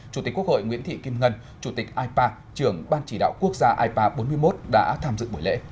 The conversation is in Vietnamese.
chủ tịch quốc hội nguyễn thị kim ngân chủ tịch ipa trưởng ban chỉ đạo quốc gia ipa bốn mươi một đã tham dự buổi lễ